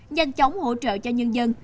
nhanh chóng hỗ trợ cho nhân dân